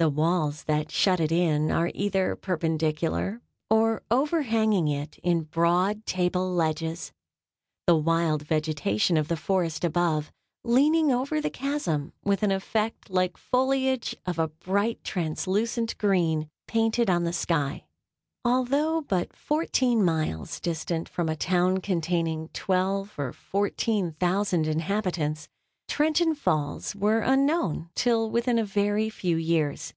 The walls that shut it in are either perpendicular, or overhanging it in broad table ledges; the wild vegetation of the forest above, leaning over the chasm with an effect like foliage of a bright translucent green, painted on the sky. Although but fourteen miles distant from a town containing twelve or fourteen thousand inhabitants, Trenton Falls were unknown till within a very few years.